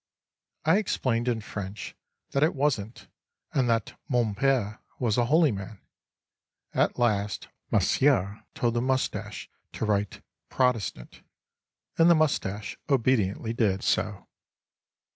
—I explained in French that it wasn't and that mon père was a holy man. At last Monsieur told the moustache to write: Protestant; and the moustache obediently did so.